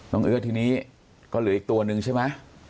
เอื้อทีนี้ก็เหลืออีกตัวนึงใช่ไหม